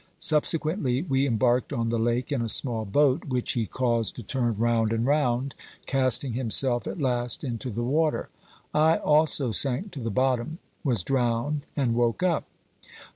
Subsequently we embarked on the lake in a small boat which he caused to turn round and round, casting himself at last into the water. I also sank to the bottom, was drowned, and woke up.